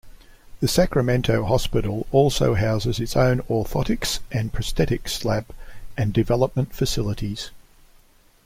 The Sacramento hospital also houses its own orthotics and prosthetics lab and development facilities.